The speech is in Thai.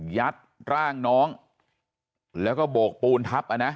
ยัดร่างน้องแล้วก็โบกปูนทับอ่ะนะ